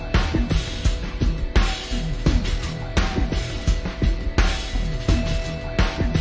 ดีดีอะไรตรงไหน